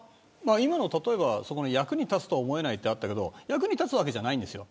今、役に立つと思えないとあったけど役に立つわけじゃないんですよ。